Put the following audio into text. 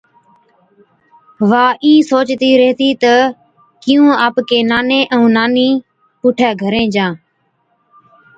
وا اِين سوچتِي ريهٿِي تہ ڪِيُون آپڪي ناني ائُون نانِي پُوٺِي گھرين جان۔